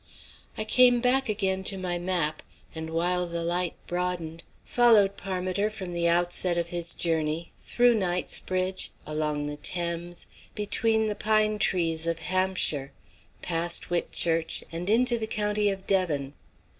I came back again to my map, and while the light broadened, followed Parmiter from the outset of his journey, through Knightsbridge, along the Thames, between the pine trees of Hampshire, past Whitchurch, and into the county of Devon.